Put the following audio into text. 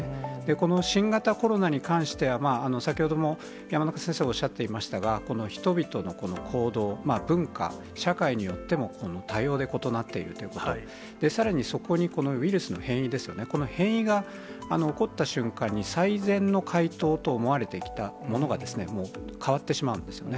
この新型コロナに関しては、先ほども山中先生おっしゃっていましたが、人々の行動、文化、社会によっても多様で異なっているということ、さらに、そこにこのウイルスの変異ですよね、この変異が起こった瞬間に最善の解答と思われてきたものが、変わってしまうんですよね。